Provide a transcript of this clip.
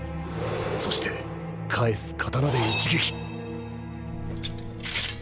そして返す刀で一撃